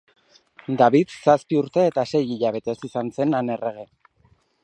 David zazpi urte eta sei hilabetez izan zen han errege.